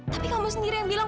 tapi kamu sendiri yang bilang